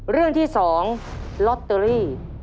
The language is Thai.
เรื่องที่๒ลอตเตอรี่